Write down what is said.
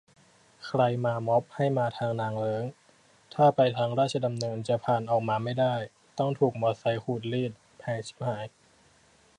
"ใครมาม็อบให้มาทางนางเลิ้ง ถ้าไปทางราชดำเนินจะผ่านออกมาไม่ได้ ต้องถูกมอไซต์ขูดรีด แพงฉิบหาย"